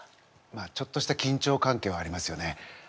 まあちょっとしたきんちょう関係はありますよね。